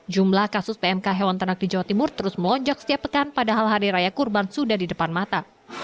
jumlah kasus pmk hewan ternak di jawa timur terus melonjak setiap pekan padahal hari raya kurban sudah di depan mata